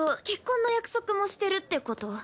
結婚の約束もしてるってこと？